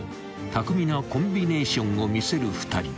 ［巧みなコンビネーションを見せる２人］